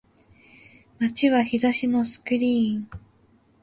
街は日差しのスクリーン